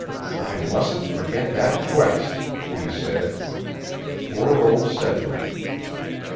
"I mustn't forget that quest," he said. "Poor old Sedgwick!"